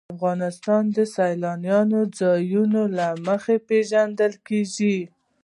افغانستان د سیلانی ځایونه له مخې پېژندل کېږي.